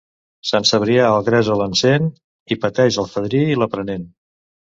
Sant Cebrià el gresol encén, i pateix el fadrí i l'aprenent.